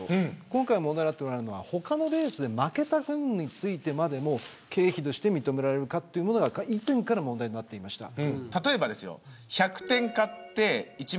今回、問題になっているのは他のレースで負けた分についても経費として認められるかというのは以前から問題となっていました。